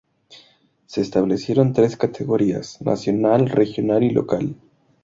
Se establecieron tres categorías: nacional, regional y local.